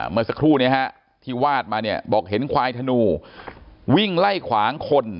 เมื่อสักครู่นี้ที่วาดมาเนี่ยบอกเห็นควายธนูวิ่งไล่ขวางคน